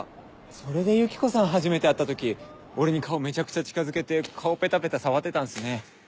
それでユキコさん初めて会った時俺に顔めちゃくちゃ近づけて顔ペタペタ触ってたんすね。